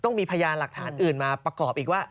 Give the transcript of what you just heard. ต้องมีพยานหลักฐานอื่นมาประกอบอีกว่า